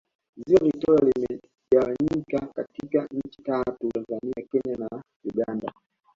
ziwa victoria limegawanyika katika nchi tatu tanzania kenya na uganda